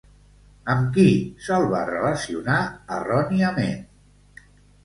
Amb qui se'l va relacionar erròniament?